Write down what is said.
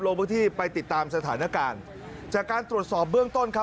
ลงพื้นที่ไปติดตามสถานการณ์จากการตรวจสอบเบื้องต้นครับ